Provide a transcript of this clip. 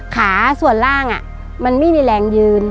ขาส่วนล่างมันไม่มีแรงยืน